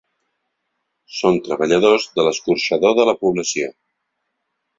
Són treballadors de l’escorxador de la població.